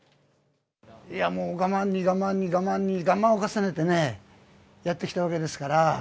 いやもう、我慢に我慢に我慢に我慢を重ねてね、やってきたわけですから。